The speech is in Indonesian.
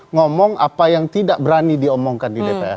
ngomong apa yang tidak berani diomongkan di dpr